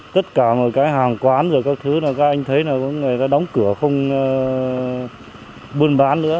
tất cả mọi cái hàng quán các thứ các anh thấy người ta đóng cửa không buôn bán nữa